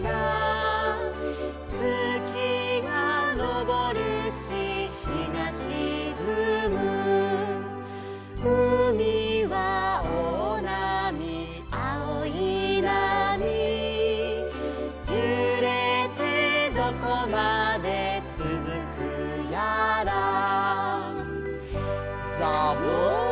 「月がのぼるし日がしずむ」「うみは大なみあおいなみ」「ゆれてどこまでつづくやら」ザブン！